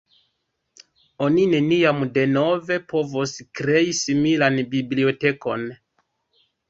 Oni neniam denove povos krei similan bibliotekon.